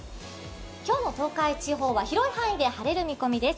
今日の東海地方は広い範囲で晴れる見込みです